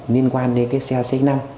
liên quan đến xe x năm